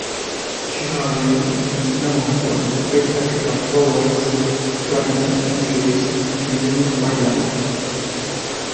Girraween is known for its spectacular flowers, dramatic landscapes and unique wildlife.